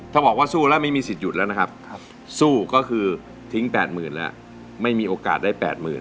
ถ้าบอกว่าสู้แล้วไม่มีสิทธิหยุดแล้วนะครับสู้ก็คือทิ้ง๘๐๐๐แล้วไม่มีโอกาสได้๘๐๐๐